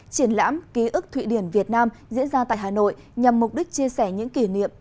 triển lãm ký ức thụy điển việt nam diễn ra tại hà nội nhằm mục đích chia sẻ những kỷ niệm